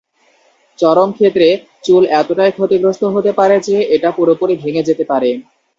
চরম ক্ষেত্রে, চুল এতটাই ক্ষতিগ্রস্ত হতে পারে যে, এটা পুরোপুরি ভেঙে যেতে পারে।